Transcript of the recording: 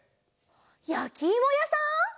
やきいもやさん！？